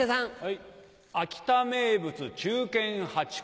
秋田名物忠犬ハチ公